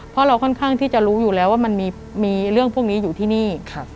เพราะเราค่อนข้างที่จะรู้อยู่แล้วว่ามันมีเรื่องพวกนี้อยู่ที่นี่